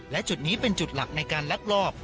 และจุดนี้เป็นจุดหลักในการลักลอบ